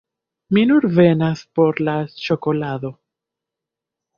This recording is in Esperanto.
Mi nur venas por la ĉokolado